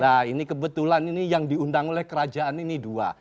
nah ini kebetulan ini yang diundang oleh kerajaan ini dua